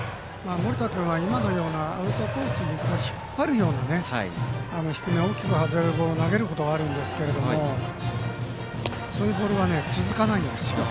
盛田君はアウトコースに引っ張るような低め大きく外れるボールを投げることがあるんですけどそういうボールは続かないんですよ。